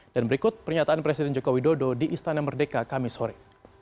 dan berikut pernyataan presiden joko widodo di istana merdeka kamisori